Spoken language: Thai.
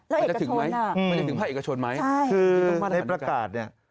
แล้วเอกชนอ่ะมันจะถึงไหมมันจะถึงภาคเอกชนไหมคือในประกาศเนี่ย